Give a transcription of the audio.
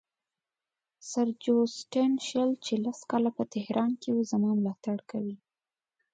سر جوسټین شیل چې لس کاله په تهران کې وو زما ملاتړ کوي.